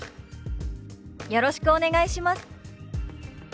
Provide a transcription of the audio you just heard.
「よろしくお願いします」。